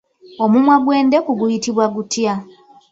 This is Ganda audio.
Omumwa gw'endeku guyitibwa gutya?